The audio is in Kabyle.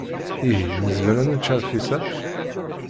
Ihi nezmer ad nečč rfis-a?